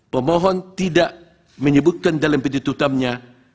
pemohon tidak menyebutkan dalam penututannya